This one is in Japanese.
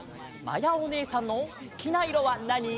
まやおねえさんのすきないろはなに？